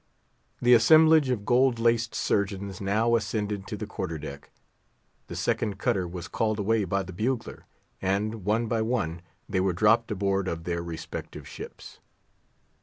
The assemblage of gold laced surgeons now ascended to the quarter deck; the second cutter was called away by the bugler, and, one by one, they were dropped aboard of their respective ships.